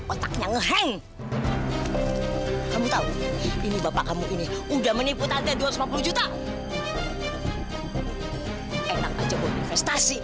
otaknya ngeheng kamu tahu ini bapak kamu ini udah menipu tanda dua ratus lima puluh juta enak aja buat investasi